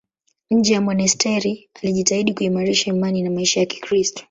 Nje ya monasteri alijitahidi kuimarisha imani na maisha ya Kikristo.